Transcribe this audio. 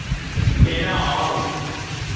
Qu’èra hòl.